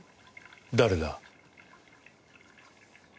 誰だ？